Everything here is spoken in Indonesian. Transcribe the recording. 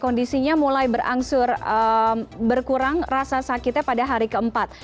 pondisinya mulai berangsur berkurang rasa sakitnya pada hari ke empat